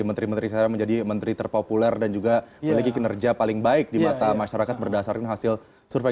menteri menteri sekarang menjadi menteri terpopuler dan juga memiliki kinerja paling baik di mata masyarakat berdasarkan hasil survei